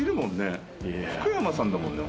福山さんだもんね